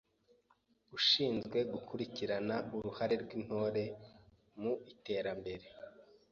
f. Ushinzwe gukurikirana uruhare rw’Intore mu iterambere.